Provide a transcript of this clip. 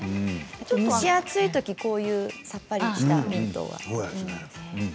蒸し暑いときこういうさっぱりしたミントがいいですね。